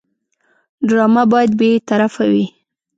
ډرامه باید بېطرفه وي